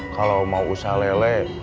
kalau mau usaha lele